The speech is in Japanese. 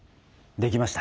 できました。